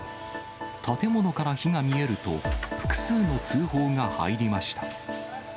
建物から火が見えると、複数の通報が入りました。